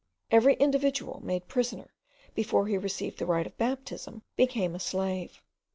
Every individual, made prisoner before he received the rite of baptism, became a slave.